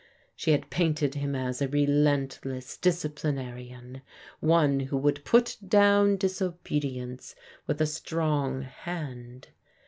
She had painted him as a relent less disciplinarian, one who would put down disobedience with a strong hand.